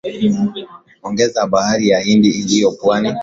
Ongezea bahari ya Hindia iliyo pwani